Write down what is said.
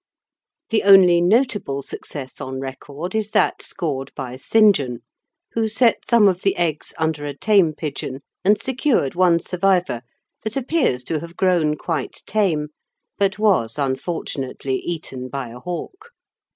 The only notable success on record is that scored by St. John, who set some of the eggs under a tame pigeon and secured one survivor that appears to have grown quite tame, but was, unfortunately, eaten by a hawk.